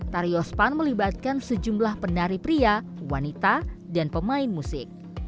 tari yospan melibatkan sejumlah penari pria wanita dan pemain musik